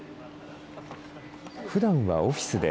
ふだんはオフィスで、